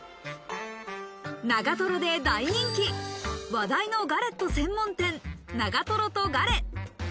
長瀞で大人気、話題のガレット専門店、長瀞とガレ。